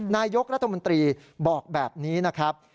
นายกรัฐมนตรีบอกแบบนี้นะครับ